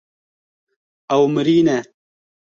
Ew mirî ne.